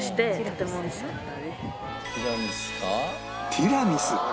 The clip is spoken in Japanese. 「ティラミスか？」